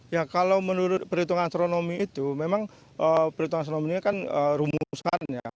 ya kalau menurut perhitungan astronomi itu memang perhitungan astronomi ini kan rumusan ya